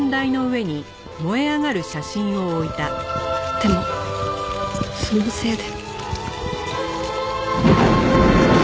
でもそのせいで。